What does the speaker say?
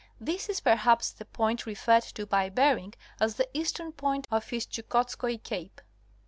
This is perhaps the point referred to by Bering as the eastern point of his Chukotskoi Cape.